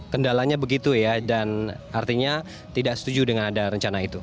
kendalanya begitu ya dan artinya tidak setuju dengan ada rencana itu